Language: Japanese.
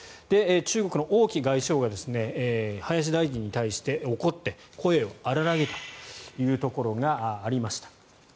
中国の王毅外相が林大臣に対して怒って声を荒らげたということがありました。